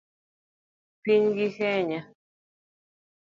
Pinygi Kenya